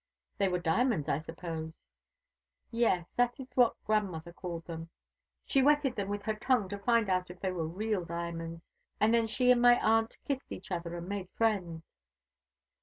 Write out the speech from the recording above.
"They were diamonds, I suppose?" "Yes, that is what grandmother called them. She wetted them with her tongue to find out if they were real diamonds, and then she and my aunt kissed each other, and made friends."